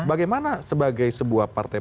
bagaimana sebagai sebuah partai